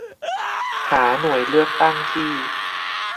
หาหน่วยเลือกตั้งที่